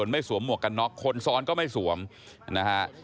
นี่ปรฐาคารมกัน